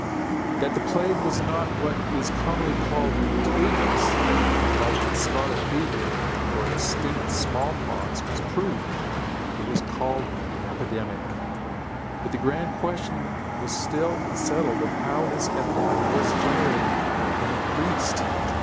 That the plague was not what is commonly called contagious, like the scarlet fever, or extinct small pox, was proved. It was called an epidemic. But the grand question was still unsettled of how this epidemic was generated and increased.